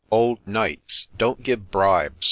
' Old Knights, don't give bribes